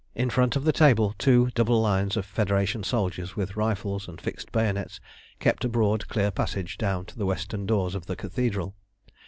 In front of the table two double lines of Federation soldiers, with rifles and fixed bayonets, kept a broad clear passage down to the western doors of the Cathedral.